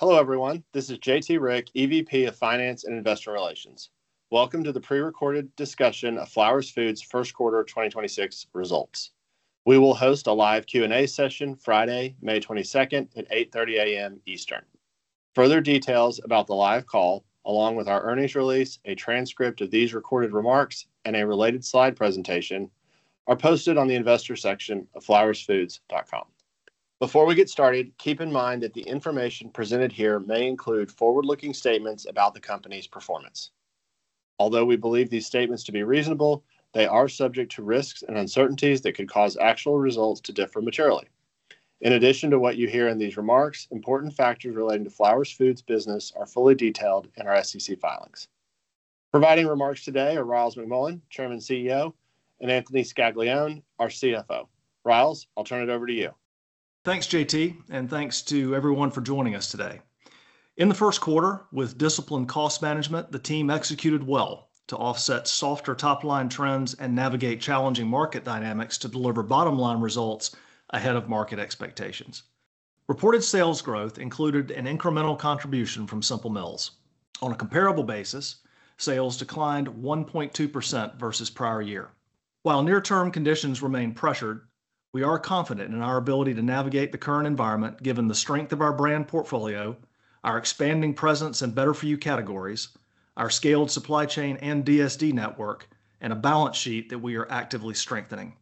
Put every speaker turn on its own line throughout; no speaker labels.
Hello everyone. This is J.T. Rieck, EVP of Finance and Investor Relations. Welcome to the pre-recorded discussion of Flowers Foods first quarter of 2026 results. We will host a live Q&A session Friday, May 22nd at 8:30 A.M. Eastern. Further details about the live call, along with our earnings release, a transcript of these recorded remarks, and a related slide presentation are posted on the investor section of flowersfoods.com. Before we get started, keep in mind that the information presented here may include forward-looking statements about the company's performance. Although we believe these statements to be reasonable, they are subject to risks and uncertainties that could cause actual results to differ materially. In addition to what you hear in these remarks, important factors relating to Flowers Foods business are fully detailed in our SEC filings. Providing remarks today are Ryals McMullian, Chairman, CEO, and Anthony Scaglione, our CFO. Ryals, I'll turn it over to you.
Thanks, J.T., and thanks to everyone for joining us today. In the first quarter, with disciplined cost management, the team executed well to offset softer top-line trends and navigate challenging market dynamics to deliver bottom-line results ahead of market expectations. Reported sales growth included an incremental contribution from Simple Mills. On a comparable basis, sales declined 1.2% versus prior year. While near-term conditions remain pressured, we are confident in our ability to navigate the current environment given the strength of our brand portfolio, our expanding presence in better-for-you categories, our scaled supply chain and DSD network, and a balance sheet that we are actively strengthening.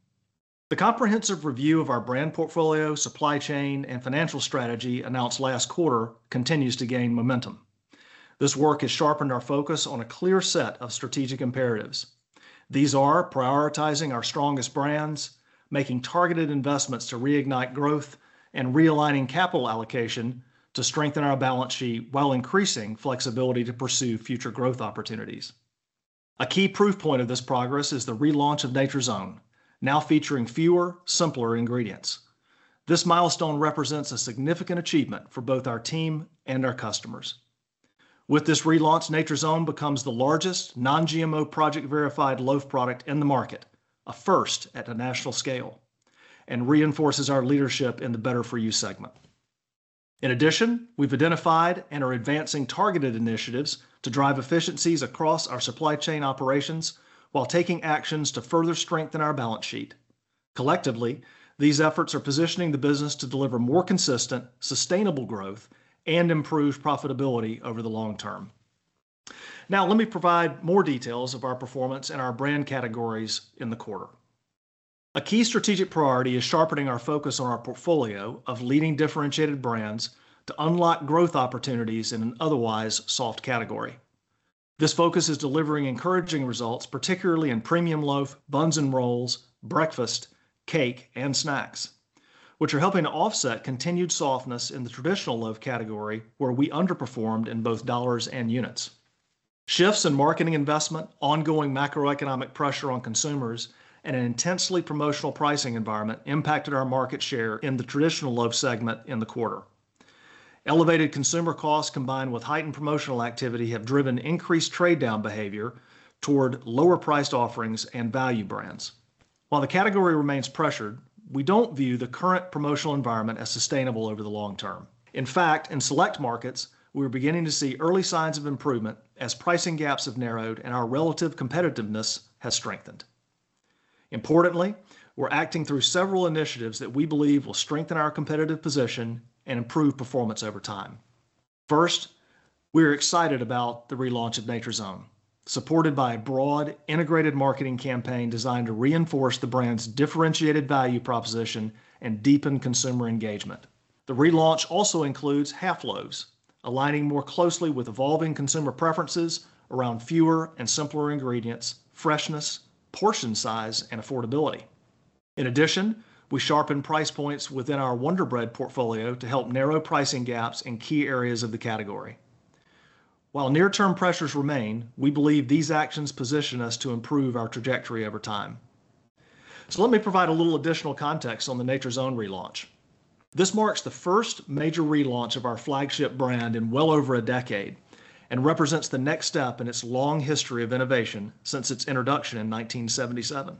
The comprehensive review of our brand portfolio, supply chain, and financial strategy announced last quarter continues to gain momentum. This work has sharpened our focus on a clear set of strategic imperatives. These are prioritizing our strongest brands, making targeted investments to reignite growth, and realigning capital allocation to strengthen our balance sheet while increasing flexibility to pursue future growth opportunities. A key proof point of this progress is the relaunch of Nature's Own, now featuring fewer, simpler ingredients. This milestone represents a significant achievement for both our team and our customers. With this relaunch, Nature's Own becomes the largest Non-GMO Project Verified loaf product in the market, a first at a national scale, and reinforces our leadership in the better-for-you segment. We've identified and are advancing targeted initiatives to drive efficiencies across our supply chain operations while taking actions to further strengthen our balance sheet. Collectively, these efforts are positioning the business to deliver more consistent, sustainable growth and improve profitability over the long term. Now let me provide more details of our performance and our brand categories in the quarter. A key strategic priority is sharpening our focus on our portfolio of leading differentiated brands to unlock growth opportunities in an otherwise soft category. This focus is delivering encouraging results, particularly in premium loaf, buns and rolls, breakfast, cake, and snacks, which are helping to offset continued softness in the traditional loaf category where we underperformed in both dollars and units. Shifts in marketing investment, ongoing macroeconomic pressure on consumers, and an intensely promotional pricing environment impacted our market share in the traditional loaf segment in the quarter. Elevated consumer costs combined with heightened promotional activity have driven increased trade-down behavior toward lower-priced offerings and value brands. While the category remains pressured, we don't view the current promotional environment as sustainable over the long term. In fact, in select markets, we're beginning to see early signs of improvement as pricing gaps have narrowed and our relative competitiveness has strengthened. Importantly, we're acting through several initiatives that we believe will strengthen our competitive position and improve performance over time. First, we are excited about the relaunch of Nature's Own, supported by a broad integrated marketing campaign designed to reinforce the brand's differentiated value proposition and deepen consumer engagement. The relaunch also includes half loaves, aligning more closely with evolving consumer preferences around fewer and simpler ingredients, freshness, portion size, and affordability. In addition, we sharpened price points within our Wonder Bread portfolio to help narrow pricing gaps in key areas of the category. While near-term pressures remain, we believe these actions position us to improve our trajectory over time. Let me provide a little additional context on the Nature's Own relaunch. This marks the first major relaunch of our flagship brand in well over a decade and represents the next step in its long history of innovation since its introduction in 1977.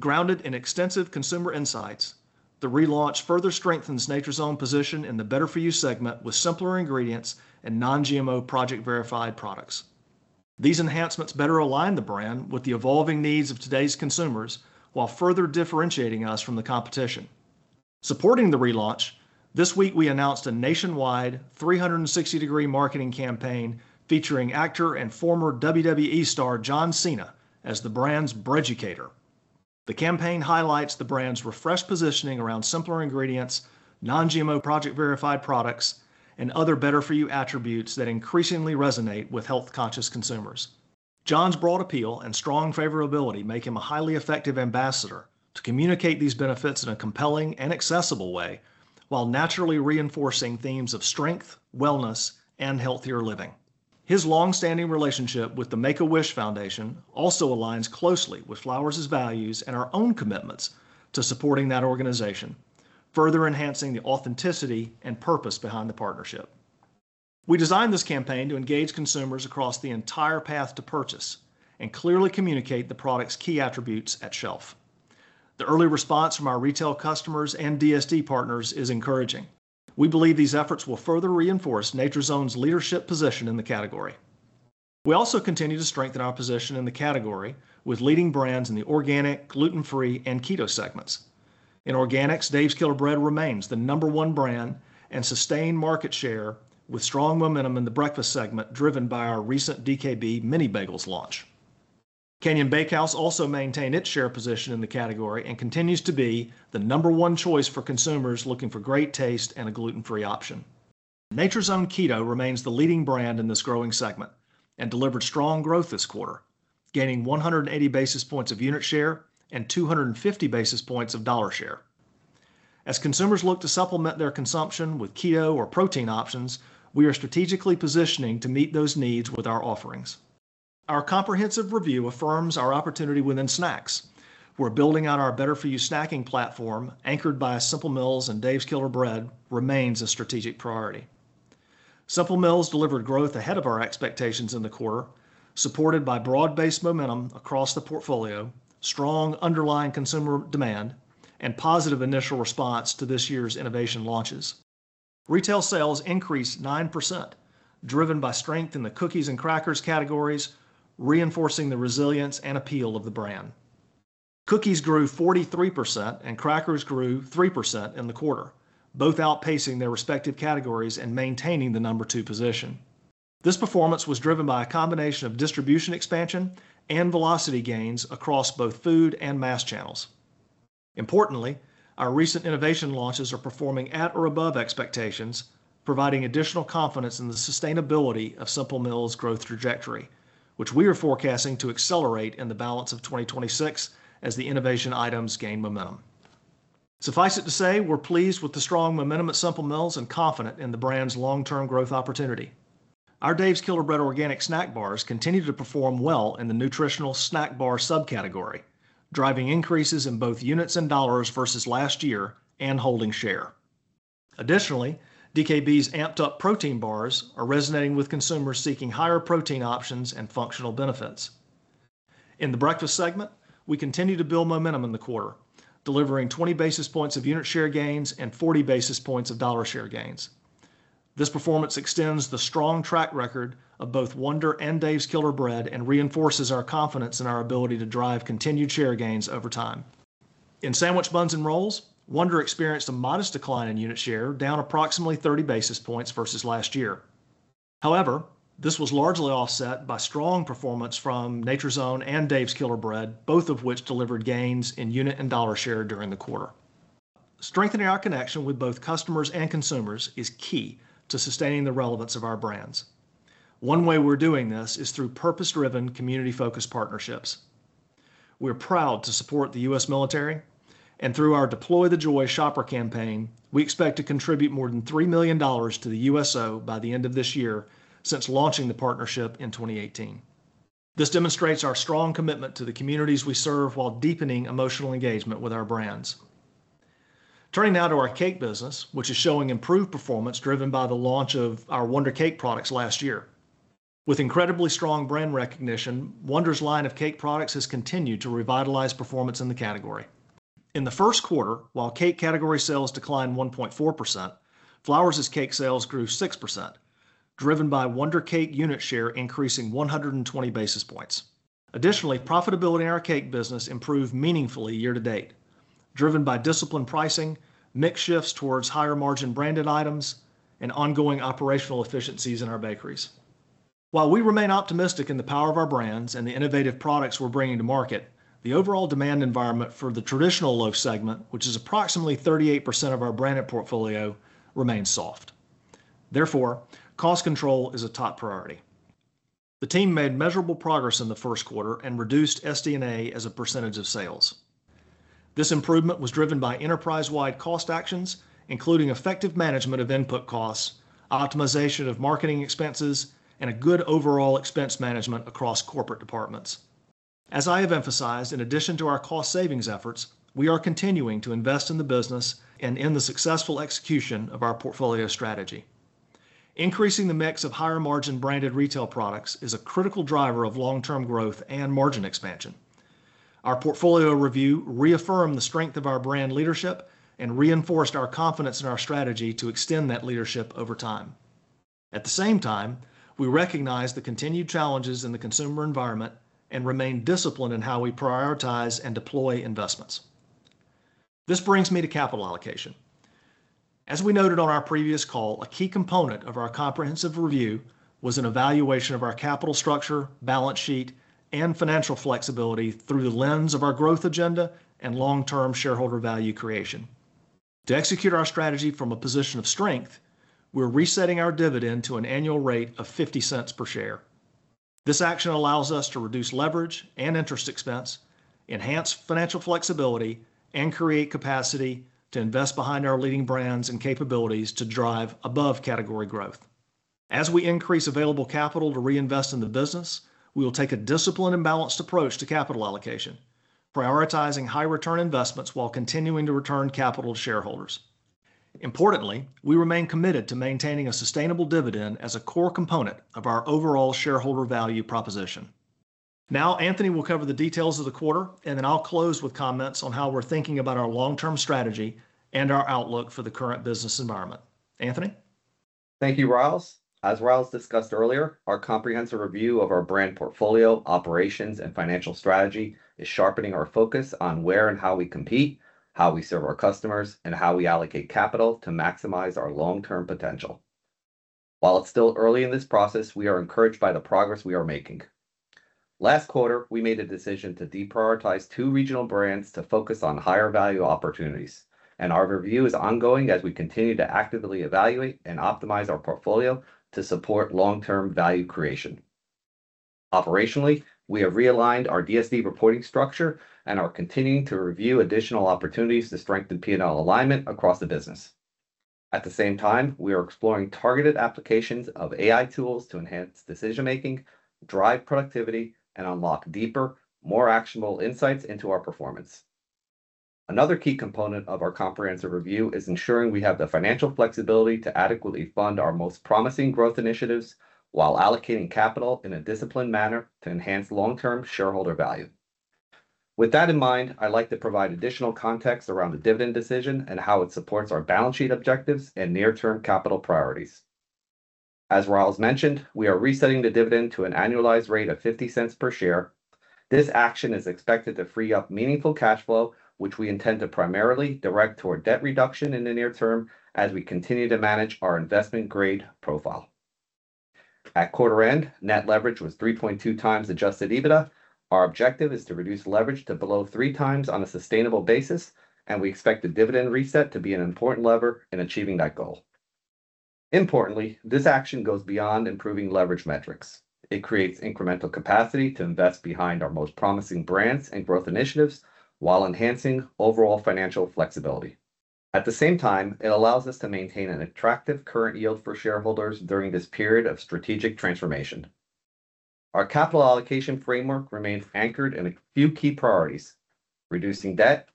Grounded in extensive consumer insights, the relaunch further strengthens Nature's Own position in the better-for-you segment with simpler ingredients and Non-GMO Project Verified products. These enhancements better align the brand with the evolving needs of today's consumers while further differentiating us from the competition. Supporting the relaunch, this week we announced a nationwide 360-degree marketing campaign featuring actor and former WWE star John Cena as the brand's Breaducator. The campaign highlights the brand's refreshed positioning around simpler ingredients, Non-GMO Project Verified products, and other better-for-you attributes that increasingly resonate with health-conscious consumers. John's broad appeal and strong favorability make him a highly effective ambassador to communicate these benefits in a compelling and accessible way while naturally reinforcing themes of strength, wellness, and healthier living. His longstanding relationship with the Make-A-Wish Foundation also aligns closely with Flowers' values and our own commitments to supporting that organization, further enhancing the authenticity and purpose behind the partnership. We designed this campaign to engage consumers across the entire path to purchase and clearly communicate the product's key attributes at shelf. The early response from our retail customers and DSD partners is encouraging. We believe these efforts will further reinforce Nature's Own's leadership position in the category. We also continue to strengthen our position in the category with leading brands in the organic, gluten-free, and keto segments. In organics, Dave's Killer Bread remains the number one brand and sustained market share with strong momentum in the breakfast segment, driven by our recent DKB Mini Bagels launch. Canyon Bakehouse also maintained its share position in the category and continues to be the number one choice for consumers looking for great taste and a gluten-free option. Nature's Own Keto remains the leading brand in this growing segment and delivered strong growth this quarter, gaining 180 basis points of unit share and 250 basis points of dollar share. As consumers look to supplement their consumption with keto or protein options, we are strategically positioning to meet those needs with our offerings. Our comprehensive review affirms our opportunity within snacks, where building on our Better For You snacking platform, anchored by Simple Mills and Dave's Killer Bread, remains a strategic priority. Simple Mills delivered growth ahead of our expectations in the quarter, supported by broad-based momentum across the portfolio, strong underlying consumer demand, and positive initial response to this year's innovation launches. Retail sales increased 9%, driven by strength in the cookies and crackers categories, reinforcing the resilience and appeal of the brand. Cookies grew 43% and crackers grew 3% in the quarter, both outpacing their respective categories and maintaining the number two position. This performance was driven by a combination of distribution expansion and velocity gains across both food and mass channels. Importantly, our recent innovation launches are performing at or above expectations, providing additional confidence in the sustainability of Simple Mills' growth trajectory, which we are forecasting to accelerate in the balance of 2026 as the innovation items gain momentum. Suffice it to say, we're pleased with the strong momentum at Simple Mills and confident in the brand's long-term growth opportunity. Our Dave's Killer Bread organic snack bars continue to perform well in the nutritional snack bar subcategory, driving increases in both units and dollars versus last year and holding share. Additionally, DKB's Amped-Up Protein Bars are resonating with consumers seeking higher protein options and functional benefits. In the breakfast segment, we continue to build momentum in the quarter, delivering 20 basis points of unit share gains and 40 basis points of dollar share gains. This performance extends the strong track record of both Wonder and Dave's Killer Bread and reinforces our confidence in our ability to drive continued share gains over time. In sandwich buns and rolls, Wonder experienced a modest decline in unit share, down approximately 30 basis points versus last year. However, this was largely offset by strong performance from Nature's Own and Dave's Killer Bread, both of which delivered gains in unit and dollar share during the quarter. Strengthening our connection with both customers and consumers is key to sustaining the relevance of our brands. One way we're doing this is through purpose-driven, community-focused partnerships. We're proud to support the U.S. military, and through our Deploy the Joy shopper campaign, we expect to contribute more than $3 million to the USO by the end of this year since launching the partnership in 2018. This demonstrates our strong commitment to the communities we serve while deepening emotional engagement with our brands. Turning now to our cake business, which is showing improved performance driven by the launch of our Wonder cake products last year. With incredibly strong brand recognition, Wonder's line of cake products has continued to revitalize performance in the category. In the first quarter, while cake category sales declined 1.4%, Flowers' cake sales grew 6%, driven by Wonder unit share increasing 120 basis points. Profitability in our cake business improved meaningfully year to date, driven by disciplined pricing, mix shifts towards higher-margin branded items, and ongoing operational efficiencies in our bakeries. We remain optimistic in the power of our brands and the innovative products we're bringing to market, the overall demand environment for the traditional loaf segment, which is approximately 38% of our branded portfolio, remains soft. Cost control is a top priority. The team made measurable progress in the first quarter and reduced SG&A as a percentage of sales. This improvement was driven by enterprise-wide cost actions, including effective management of input costs, optimization of marketing expenses, and a good overall expense management across corporate departments. As I have emphasized, in addition to our cost savings efforts, we are continuing to invest in the business and in the successful execution of our portfolio strategy. Increasing the mix of higher-margin branded retail products is a critical driver of long-term growth and margin expansion. Our portfolio review reaffirmed the strength of our brand leadership and reinforced our confidence in our strategy to extend that leadership over time. At the same time, we recognize the continued challenges in the consumer environment and remain disciplined in how we prioritize and deploy investments. This brings me to capital allocation. As we noted on our previous call, a key component of our comprehensive review was an evaluation of our capital structure, balance sheet, and financial flexibility through the lens of our growth agenda and long-term shareholder value creation. To execute our strategy from a position of strength, we're resetting our dividend to an annual rate of $0.50 per share. This action allows us to reduce leverage and interest expense, enhance financial flexibility, and create capacity to invest behind our leading brands and capabilities to drive above-category growth. As we increase available capital to reinvest in the business, we will take a disciplined and balanced approach to capital allocation, prioritizing high-return investments while continuing to return capital to shareholders. Importantly, we remain committed to maintaining a sustainable dividend as a core component of our overall shareholder value proposition. Now, Anthony will cover the details of the quarter, and then I'll close with comments on how we're thinking about our long-term strategy and our outlook for the current business environment. Anthony?
Thank you, Ryals. As Ryals discussed earlier, our comprehensive review of our brand portfolio, operations, and financial strategy is sharpening our focus on where and how we compete, how we serve our customers, and how we allocate capital to maximize our long-term potential. While it's still early in this process, we are encouraged by the progress we are making. Last quarter, we made a decision to deprioritize two regional brands to focus on higher value opportunities, and our review is ongoing as we continue to actively evaluate and optimize our portfolio to support long-term value creation. Operationally, we have realigned our DSD reporting structure and are continuing to review additional opportunities to strengthen P&L alignment across the business. At the same time, we are exploring targeted applications of AI tools to enhance decision-making, drive productivity, and unlock deeper, more actionable insights into our performance. Another key component of our comprehensive review is ensuring we have the financial flexibility to adequately fund our most promising growth initiatives while allocating capital in a disciplined manner to enhance long-term shareholder value. With that in mind, I'd like to provide additional context around the dividend decision and how it supports our balance sheet objectives and near-term capital priorities. As Ryals mentioned, we are resetting the dividend to an annualized rate of $0.50 per share. This action is expected to free up meaningful cash flow, which we intend to primarily direct toward debt reduction in the near term as we continue to manage our investment-grade profile. At quarter end, net leverage was 3.2x adjusted EBITDA. Our objective is to reduce leverage to below 3x on a sustainable basis, and we expect the dividend reset to be an important lever in achieving that goal. Importantly, this action goes beyond improving leverage metrics. It creates incremental capacity to invest behind our most promising brands and growth initiatives while enhancing overall financial flexibility. At the same time, it allows us to maintain an attractive current yield for shareholders during this period of strategic transformation. Our capital allocation framework remains anchored in a few key priorities: reducing debt,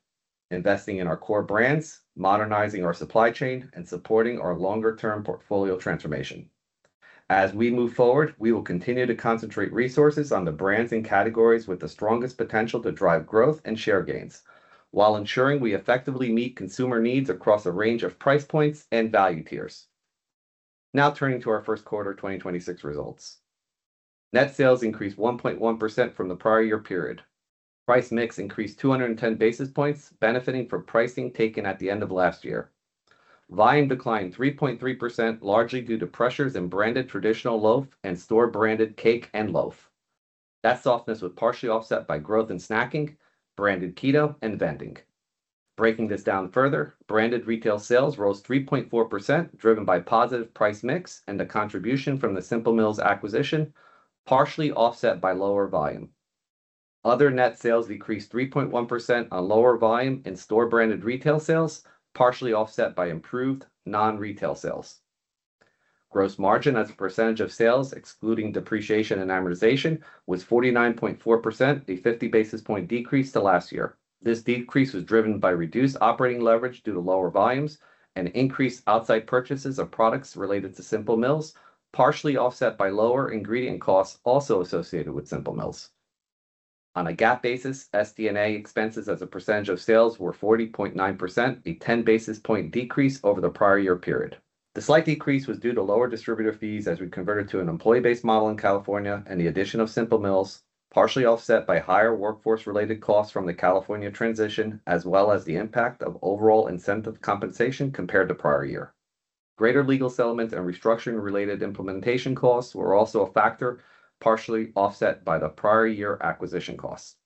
investing in our core brands, modernizing our supply chain, and supporting our longer-term portfolio transformation. As we move forward, we will continue to concentrate resources on the brands and categories with the strongest potential to drive growth and share gains while ensuring we effectively meet consumer needs across a range of price points and value tiers. Now turning to our Q1 2026 results. Net sales increased 1.1% from the prior year period. Price mix increased 210 basis points, benefiting from pricing taken at the end of last year. Volume declined 3.3%, largely due to pressures in branded traditional loaf and store-branded cake and loaf. That softness was partially offset by growth in snacking, branded Keto, and vending. Breaking this down further, branded retail sales rose 3.4%, driven by positive price mix and a contribution from the Simple Mills acquisition, partially offset by lower volume. Other net sales decreased 3.1% on lower volume in store-branded retail sales, partially offset by improved non-retail sales. Gross margin as a percentage of sales, excluding depreciation and amortization, was 49.4%, a 50 basis point decrease to last year. This decrease was driven by reduced operating leverage due to lower volumes and increased outside purchases of products related to Simple Mills, partially offset by lower ingredient costs also associated with Simple Mills. On a GAAP basis, SG&A expenses as a percentage of sales were 40.9%, a 10 basis point decrease over the prior year period. The slight decrease was due to lower distributor fees as we converted to an employee-based model in California and the addition of Simple Mills, partially offset by higher workforce-related costs from the California transition, as well as the impact of overall incentive compensation compared to prior year. Greater legal settlements and restructuring-related implementation costs were also a factor, partially offset by the prior year acquisition costs.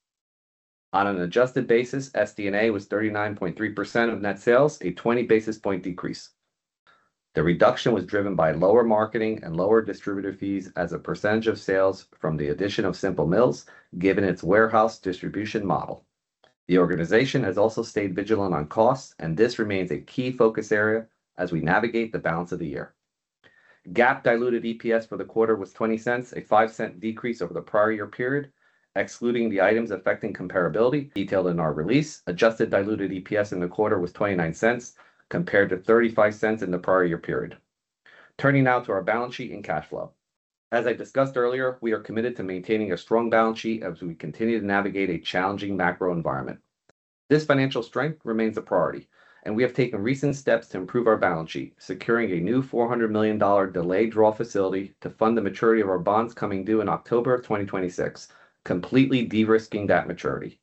On an adjusted basis, SG&A was 39.3% of net sales, a 20 basis point decrease. The reduction was driven by lower marketing and lower distributor fees as a percentage of sales from the addition of Simple Mills, given its warehouse distribution model. The organization has also stayed vigilant on costs. This remains a key focus area as we navigate the balance of the year. GAAP diluted EPS for the quarter was $0.20, a $0.05 decrease over the prior year period. Excluding the items affecting comparability detailed in our release, adjusted diluted EPS in the quarter was $0.29, compared to $0.35 in the prior year period. Turning now to our balance sheet and cash flow. As I discussed earlier, we are committed to maintaining a strong balance sheet as we continue to navigate a challenging macro environment. This financial strength remains a priority, and we have taken recent steps to improve our balance sheet, securing a new $400 million delayed draw facility to fund the maturity of our bonds coming due in October of 2026, completely de-risking that maturity.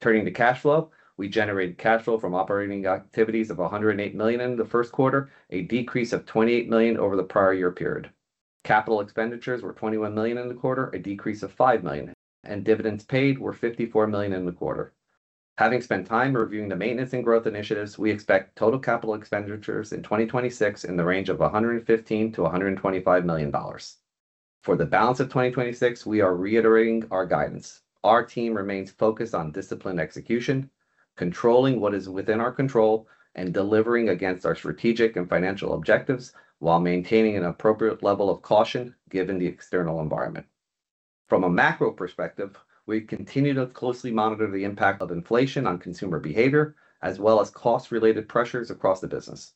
Turning to cash flow, we generated cash flow from operating activities of $108 million in the first quarter, a decrease of $28 million over the prior year period. Capital expenditures were $21 million in the quarter, a decrease of $5 million, and dividends paid were $54 million in the quarter. Having spent time reviewing the maintenance and growth initiatives, we expect total capital expenditures in 2026 in the range of $115 million-$125 million. For the balance of 2026, we are reiterating our guidance. Our team remains focused on disciplined execution, controlling what is within our control, and delivering against our strategic and financial objectives while maintaining an appropriate level of caution given the external environment. From a macro perspective, we continue to closely monitor the impact of inflation on consumer behavior, as well as cost-related pressures across the business.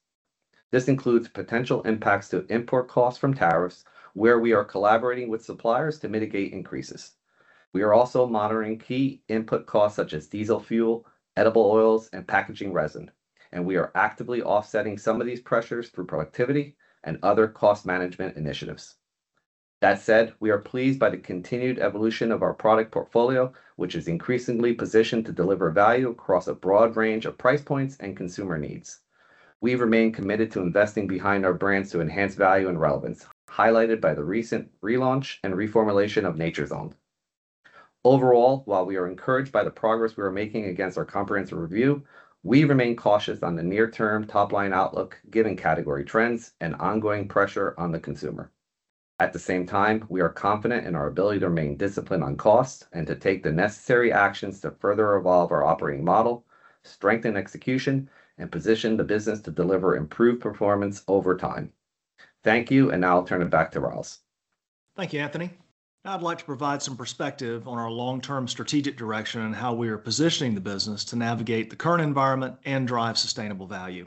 This includes potential impacts to import costs from tariffs, where we are collaborating with suppliers to mitigate increases. We are also monitoring key input costs such as diesel fuel, edible oils, and packaging resin, and we are actively offsetting some of these pressures through productivity and other cost management initiatives. That said, we are pleased by the continued evolution of our product portfolio, which is increasingly positioned to deliver value across a broad range of price points and consumer needs. We remain committed to investing behind our brands to enhance value and relevance, highlighted by the recent relaunch and reformulation of Nature's Own. Overall, while we are encouraged by the progress we are making against our comprehensive review, we remain cautious on the near-term top-line outlook, given category trends and ongoing pressure on the consumer. At the same time, we are confident in our ability to remain disciplined on cost and to take the necessary actions to further evolve our operating model, strengthen execution, and position the business to deliver improved performance over time. Thank you. Now I'll turn it back to Ryals.
Thank you, Anthony. Now I'd like to provide some perspective on our long-term strategic direction and how we are positioning the business to navigate the current environment and drive sustainable value.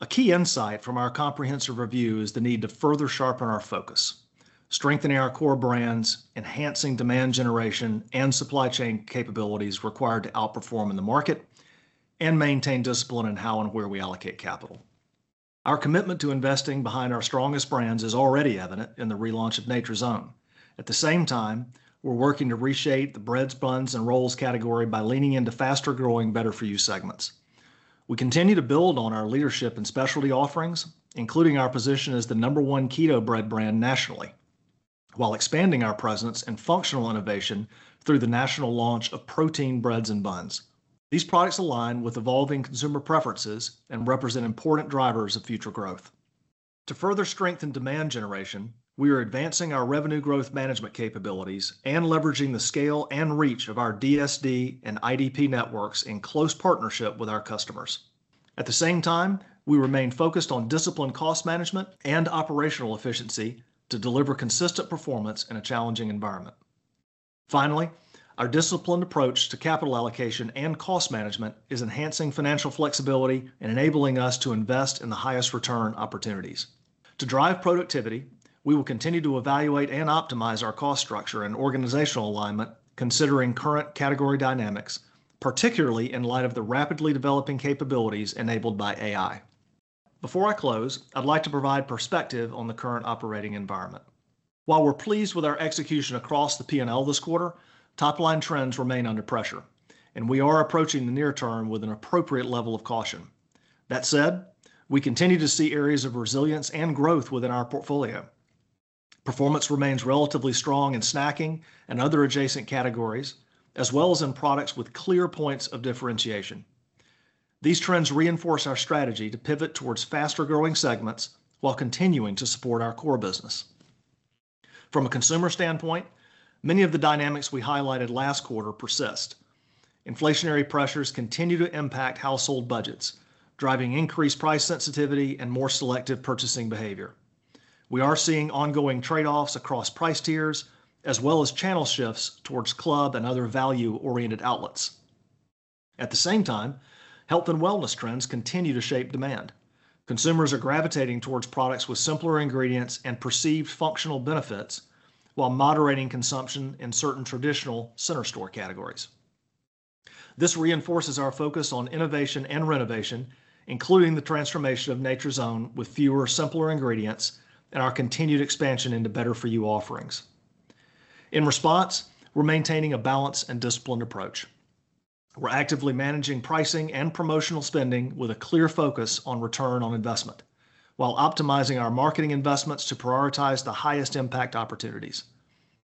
A key insight from our comprehensive review is the need to further sharpen our focus, strengthening our core brands, enhancing demand generation and supply chain capabilities required to outperform in the market, and maintain discipline in how and where we allocate capital. Our commitment to investing behind our strongest brands is already evident in the relaunch of Nature's Own. At the same time, we're working to reshape the breads, buns, and rolls category by leaning into faster-growing, better-for-you segments. We continue to build on our leadership in specialty offerings, including our position as the number one keto bread brand nationally, while expanding our presence in functional innovation through the national launch of protein breads and buns. These products align with evolving consumer preferences and represent important drivers of future growth. To further strengthen demand generation, we are advancing our revenue growth management capabilities and leveraging the scale and reach of our DSD and IDP networks in close partnership with our customers. At the same time, we remain focused on disciplined cost management and operational efficiency to deliver consistent performance in a challenging environment. Finally, our disciplined approach to capital allocation and cost management is enhancing financial flexibility and enabling us to invest in the highest return opportunities. To drive productivity, we will continue to evaluate and optimize our cost structure and organizational alignment considering current category dynamics, particularly in light of the rapidly developing capabilities enabled by AI. Before I close, I'd like to provide perspective on the current operating environment. While we're pleased with our execution across the P&L this quarter, top-line trends remain under pressure, and we are approaching the near term with an appropriate level of caution. That said, we continue to see areas of resilience and growth within our portfolio. Performance remains relatively strong in snacking and other adjacent categories, as well as in products with clear points of differentiation. These trends reinforce our strategy to pivot towards faster-growing segments while continuing to support our core business. From a consumer standpoint, many of the dynamics we highlighted last quarter persist. Inflationary pressures continue to impact household budgets, driving increased price sensitivity and more selective purchasing behavior. We are seeing ongoing trade-offs across price tiers, as well as channel shifts towards club and other value-oriented outlets. At the same time, health and wellness trends continue to shape demand. Consumers are gravitating towards products with simpler ingredients and perceived functional benefits while moderating consumption in certain traditional center store categories. This reinforces our focus on innovation and renovation, including the transformation of Nature's Own with fewer, simpler ingredients and our continued expansion into better-for-you offerings. In response, we're maintaining a balanced and disciplined approach. We're actively managing pricing and promotional spending with a clear focus on return on investment while optimizing our marketing investments to prioritize the highest-impact opportunities.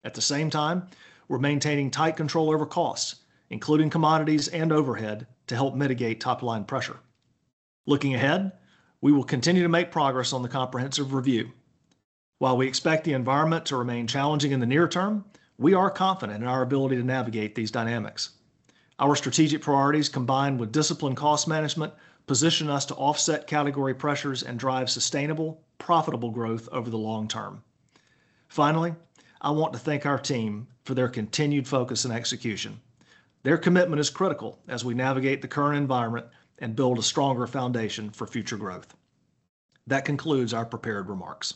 At the same time, we're maintaining tight control over costs, including commodities and overhead, to help mitigate top-line pressure. Looking ahead, we will continue to make progress on the comprehensive review. While we expect the environment to remain challenging in the near term, we are confident in our ability to navigate these dynamics. Our strategic priorities, combined with disciplined cost management, position us to offset category pressures and drive sustainable, profitable growth over the long term. Finally, I want to thank our team for their continued focus and execution. Their commitment is critical as we navigate the current environment and build a stronger foundation for future growth. That concludes our prepared remarks.